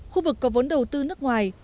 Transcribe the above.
khu vực có vốn đầu tư nước ngoài